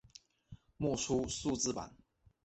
未出数字版。